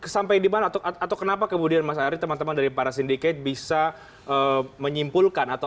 sampai di mana atau kenapa kemudian mas ari teman teman dari para sindiket bisa menyimpulkan atau